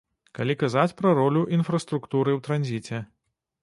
Калі казаць пра ролю інфраструктуры ў транзіце.